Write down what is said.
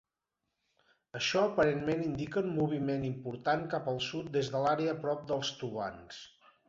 Això aparentment indica un moviment important cap al sud des de l'àrea prop dels tubants.